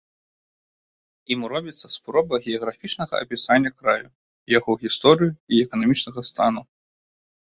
Ім робіцца спроба геаграфічнага апісання краю, яго гісторыі і эканамічнага стану.